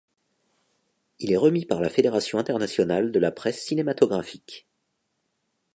Il est remis par la Fédération internationale de la presse cinématographique.